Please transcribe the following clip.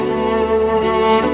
ibu kenapa menangis